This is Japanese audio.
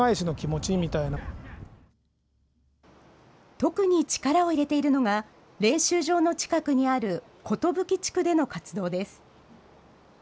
特に力を入れているのが、練習場の近くにある寿地区での活動です。